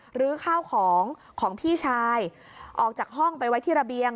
หรือข้าวของของพี่ชายออกจากห้องไปไว้ที่ระเบียง